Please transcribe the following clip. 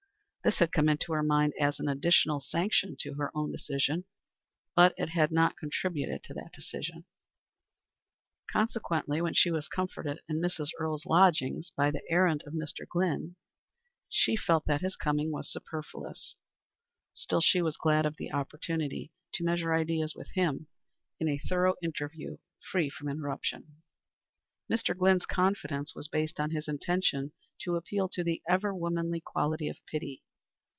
This had come into her mind as an additional sanction to her own decision. But it had not contributed to that decision. Consequently, when she was confronted in Mrs. Earle's lodgings by the errand of Mr. Glynn, she felt that his coming was superfluous. Still, she was glad of the opportunity to measure ideas with him in a thorough interview free from interruption. Mr. Glynn's confidence was based on his intention to appeal to the ever womanly quality of pity.